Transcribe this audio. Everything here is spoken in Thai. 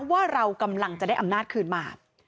ว่าเรากำลังจะได้อำนาจคืนมา